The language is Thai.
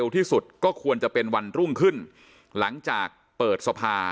ที่สุดก็ควรจะเป็นวันรุ่งขึ้นหลังจากเปิดสภา